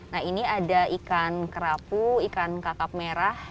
nah ini ada ikan kerapu ikan kakap merah